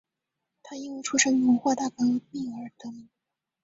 他因为出生于文化大革命而得名。